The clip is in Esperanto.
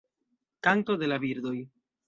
Kanto de la birdoj.